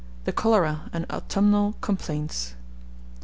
THE CHOLERA AND AUTUMNAL COMPLAINTS.